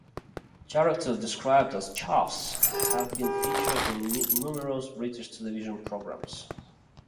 Characters described as "chavs" have been featured in numerous British television programmes.